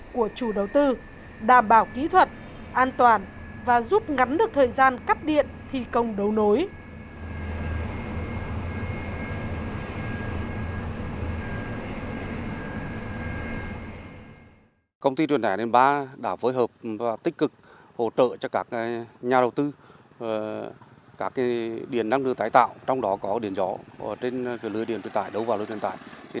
các phương án tổ chức thi công của chủ đầu tư đảm bảo kỹ thuật an toàn và giúp ngắn được thời gian cắt điện thi công đấu nối